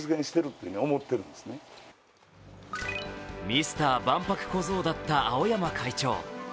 ミスター万博小僧だった青山会長。